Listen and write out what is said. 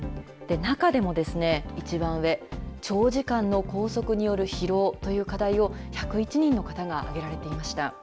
中でも一番上、長時間の拘束による疲労という課題を１０１人の方が挙げられていました。